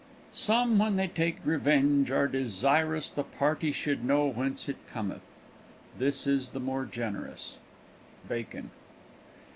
"Some, when they take Revenge, are Desirous the party should know whence it cometh: This is the more Generous." BACON.